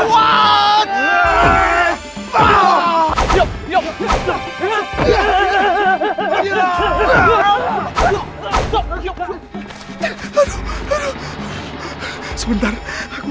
sebelum aku cabut namamu